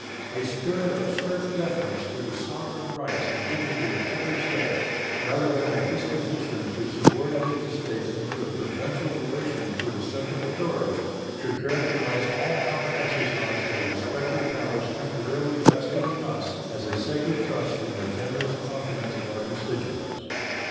A spirit of strict deference to the sovereign rights and dignity of every State, rather than a disposition to subordinate the States into a provincial relation to the central authority, should characterize all our exercise of the respective powers temporarily vested in us as a sacred trust from the generous confidence of our constituents.